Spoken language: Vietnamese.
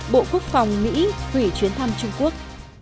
bộ quốc phòng mỹ thủy chuyến thăm trung quốc